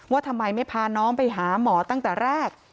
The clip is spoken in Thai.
ว่าทำไมไม่พาน้องไปหาหมอตั้งแต่แรก